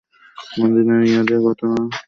মদীনায় ইহুদীদের গণহত্যার ঘটনা এটিই প্রথম নয়।